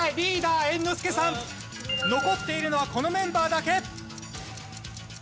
残っているのはこのメンバーだけ。